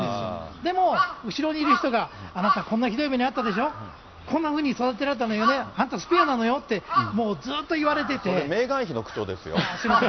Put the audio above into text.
でも、後ろにいる人が、あなた、こんなひどい目に遭ったでしょ、こんなふうに育てられたのよね、あんたスペアなのよって、もう、それ、すみません。